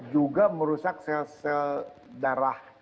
juga merusak sel sel darah